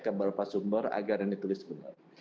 ke berapa sumber agar ini ditulis benar